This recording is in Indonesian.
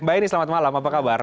mbak eni selamat malam apa kabar